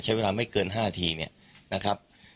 ใช้เวลาไม่เกิน๕นาทีเนี่ยนะครับ